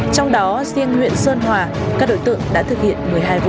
trong đó riêng huyện sơn hòa các đối tượng đã thực hiện một mươi hai vụ